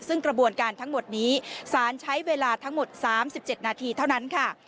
ซึ่งกระบวนการทั้งหมดนี้สารใช้เวลาทั้งหมด๓๗นาทีเท่านั้นค่ะ